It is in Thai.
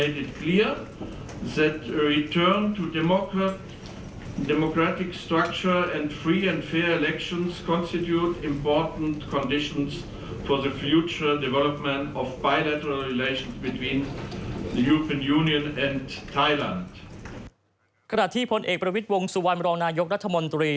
ขณะที่พลเอกประวิทย์วงสุวรรณรองนายกรัฐมนตรี